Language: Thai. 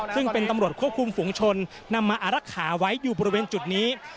ซึ่งเป็นตำรวจควบคุมฝุงชนนำมาอารักษาไว้อยู่บริเวณจุดนี้